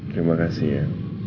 terima kasih ya